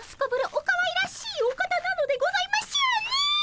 おかわいらしいお方なのでございましょうねえ！